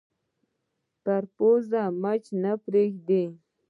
پر پوزې مچ نه پرېږدي